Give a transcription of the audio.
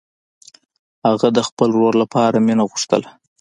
هغې د خپل ورور لپاره مینه غوښتله